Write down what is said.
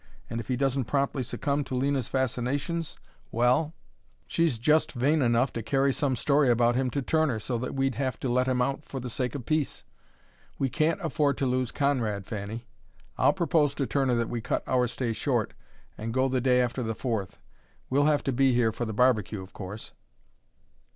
And if he doesn't promptly succumb to Lena's fascinations well, she's just vain enough to carry some story about him to Turner, so that we'd have to let him out for the sake of peace. We can't afford to lose Conrad, Fanny. I'll propose to Turner that we cut our stay short and go the day after the Fourth. We'll have to be here for the barbecue, of course."